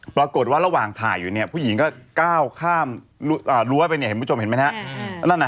ปรากฏว่าระหว่างถ่ายอยู่นี่ผู้หญิงก็ก้าวข้ามรั้วไปมุทชมเห็นไหมฮะ